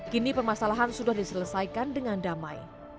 kini permasalahan sudah diselesaikan dengan damai